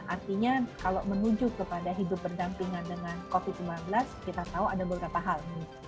artinya kalau menuju kepada hidup berdampingan dengan covid sembilan belas kita tahu ada beberapa hal